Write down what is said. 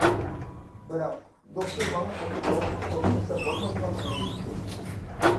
بىراق، دوختۇر ماڭا ئەمدى داۋاملىق توپ تەپسەم بولمايدىغانلىقىنى ئېيتتى.